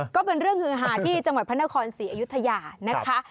ก็เป็นเรื่องฮือหาที่จังหวัดพระนครศรีอยุธยานะคะ